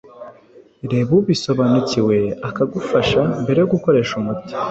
reba ubisobanukiwe akagufasha, mbere yo gukoresha umuti